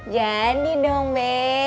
jadi dong be